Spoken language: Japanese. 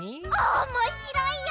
おもしろいよ！